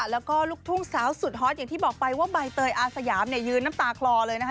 แล้วก็ลูกทุ่งสาวสุดฮอตอย่างที่บอกไปว่าใบเตยอาสยามเนี่ยยืนน้ำตาคลอเลยนะคะ